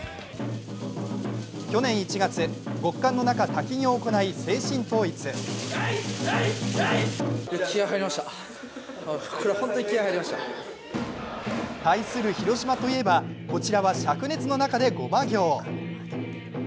去年１月、極寒の中、滝行を行い精神統一。対する広島といえば、こちらは、しゃく熱の中で護摩行。